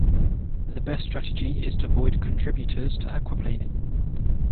The best strategy is to avoid contributors to aquaplaning.